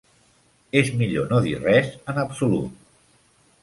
És millor no dir res en absolut.